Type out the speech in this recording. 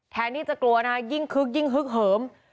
แทนที่จะกลัวนะฮะยิ่งคึกยิ่งฮึกเหิม